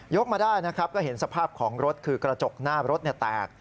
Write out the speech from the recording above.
ยกมาได้ก็เห็นสภาพของรถคือกระจกหน้ารถแตก